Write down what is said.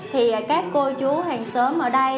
thì các cô chú hàng xóm ở đây